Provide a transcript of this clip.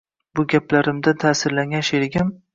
Bu gaplarimdan ta’sirlangan sherigim